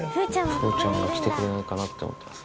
風ちゃんが来てくれないかなって思ってます。